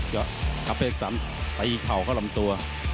ยะกับเตรกสันไปอีกคราวเข้าลำตัว